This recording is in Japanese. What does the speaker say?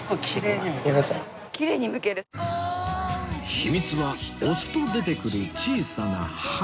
秘密は押すと出てくる小さな針